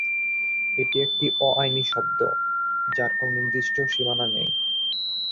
এটি একটি অ-আইনি শব্দ, যার কোনো নির্দিষ্ট সীমানা নেই।